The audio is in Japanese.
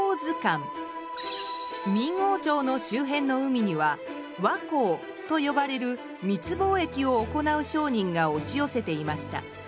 明王朝の周辺の海には「倭寇」と呼ばれる密貿易を行う商人が押し寄せていました。